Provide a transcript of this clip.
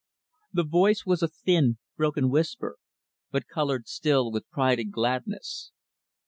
The voice was a thin, broken whisper; but colored, still, with pride and gladness.